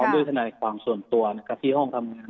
และเป็นถนัยความส่วนตัวที่ห้องทำงาน